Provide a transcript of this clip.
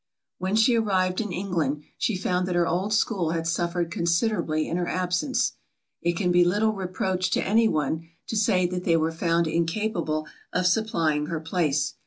When she arrived in England, she found that her school had suffered considerably in her absence. It can be little reproach to any one, to say that they were found incapable of supplying her place.